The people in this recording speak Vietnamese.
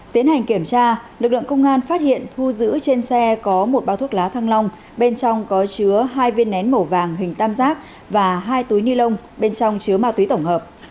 tiến hành kiểm tra lực lượng công an phát hiện thu giữ trên xe có một bao thuốc lá thăng long bên trong có chứa hai viên nén màu vàng hình tam giác và hai túi ni lông bên trong chứa ma túy tổng hợp